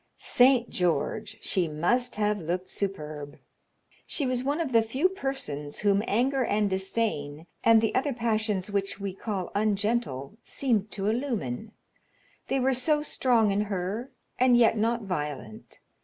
St. George! She must have looked superb. She was one of the few persons whom anger and disdain and the other passions which we call ungentle seemed to illumine they were so strong in her, and yet not violent.